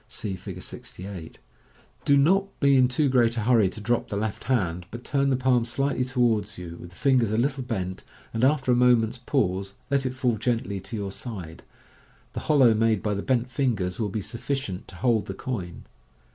(See Fig 68.) Do not be in too great a hurry to drop the left hand, but turn Fig. 66. MODERN MAGIC. IS' Fig. 67. the palm slightly towards you, with the fingers a little bent, and, after a moment's pause, let it fall gently to your side. The hollow made by the bent fingers will be sufficient to hold the coin.